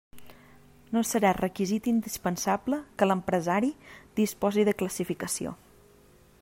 No serà requisit indispensable que l'empresari disposi de classificació.